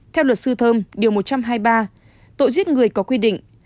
theo luật sư thơm điều một trăm hai mươi ba tội giết người có quy định